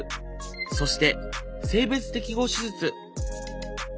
そして性別適合手術。